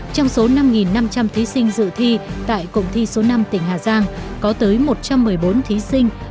trong số năm năm trăm linh thí sinh dự thi tại cụng thi số năm tỉnh hà giang có tới một trăm một mươi bốn thí sinh